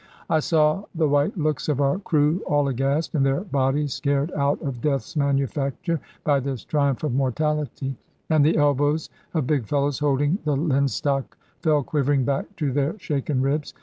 I saw the white looks of our crew all aghast, and their bodies scared out of death's manufacture, by this triumph of mortality; and the elbows of big fellows holding the linstock fell quivering back to their shaken ribs.